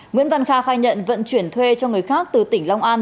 nguyễn văn kha khai nhận vận chuyển thuê cho người khác từ tỉnh long an